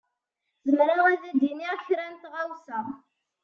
Zemreɣ ad d-iniɣ kra n tɣawsa.